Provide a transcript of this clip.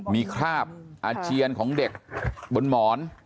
มีคราบอาเจียนของเด็กบนหมอน